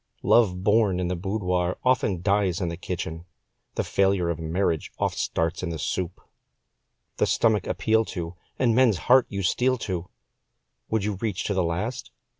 Love born in the boudoir oft dies in the kitchen, The failure of marriage oft starts in the soup. The stomach appeal to, and men's heart you steal to Would you reach to the last?